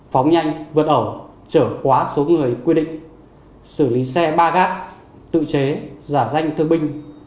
phóng nhanh vượt ẩu trở quá số người quy định xử lý xe ba gác tự chế giả danh thương binh